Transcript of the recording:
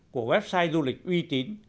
của website du lịch uy tín